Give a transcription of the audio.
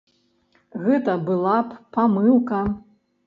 Гэта была б памылка.